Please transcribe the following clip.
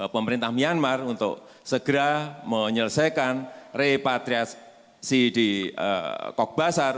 pemerintah myanmar untuk segera menyelesaikan repatriasi di kogbasar